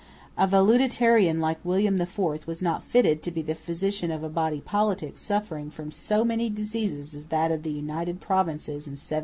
A valetudinarian like William IV was not fitted to be the physician of a body politic suffering from so many diseases as that of the United Provinces in 1747.